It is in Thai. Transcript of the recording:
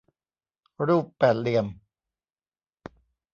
รูปแปดเหลี่ยม